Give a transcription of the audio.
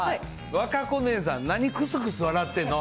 和歌子姉さん、何、くすくす笑ってんの？